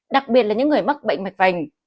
đặc biệt là những người mắc bệnh mạch phành